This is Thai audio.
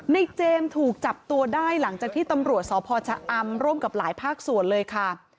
เจมส์ถูกจับตัวได้หลังจากที่ตำรวจสพชะอำร่วมกับหลายภาคส่วนเลยค่ะ